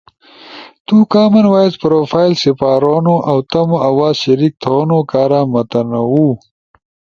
تو کامن وائس پروفائل سپارونو اؤ تمو آواز شریک تھونو کارا متنوع